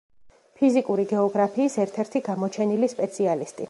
ფიზიკური გეოგრაფიის ერთ-ერთი გამოჩენილი სპეციალისტი.